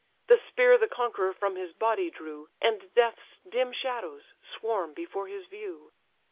The spear the conqueror from his body drew, And death's dim shadows swarm before his view.